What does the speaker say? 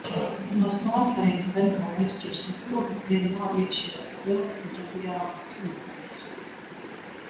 No starkājiem sakņkāji atšķiras ar to, ka tiem nav iekšējā skeleta un radiālas simetrijas.